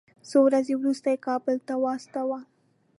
څو ورځې وروسته یې کابل ته واستاوه.